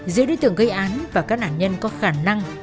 giữa đối tượng gây án và các nạn nhân có khả năng